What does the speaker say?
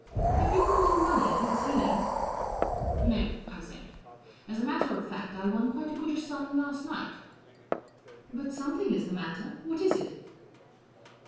" Have you been losing money at the Casino ?"' No," I said. "As a matter of fact, I won quite a goodish sum last night." " But something is the matter. What is it